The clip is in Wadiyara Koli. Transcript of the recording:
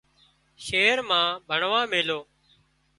شهر مان ڀڻوا ميليو